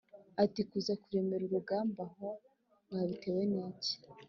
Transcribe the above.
ati “Kuza kuremera urugamba aho mwabitewe n’iki?